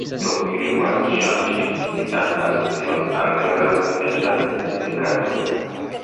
Do ili volas ŝanĝi sian asocion al vera studenta sindikato.